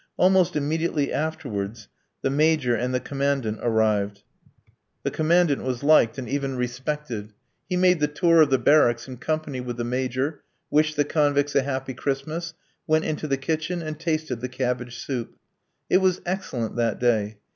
Almost immediately afterwards, the Major and the Commandant arrived. The Commandant was liked, and even respected. He made the tour of the barracks in company with the Major, wished the convicts a happy Christmas, went into the kitchen, and tasted the cabbage soup. It was excellent that day.